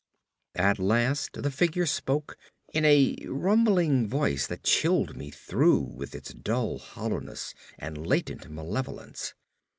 At last the figure spoke in a rumbling voice that chilled me through with its dull hollowness and latent malevolence.